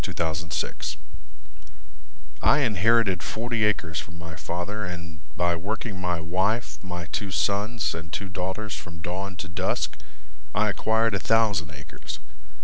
Cooney Potter I inherited forty acres from my Father And, by working my wife, my two sons and two daughters From dawn to dusk, I acquired A thousand acres.